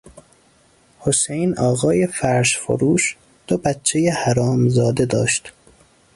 حسین آقای فرش فروش دو بچهی حرامزاده داشت.